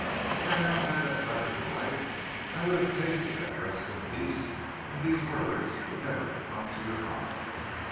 Had I not had that letter to write I would have tasted that rest and peace, and these words would never have come to your eyes.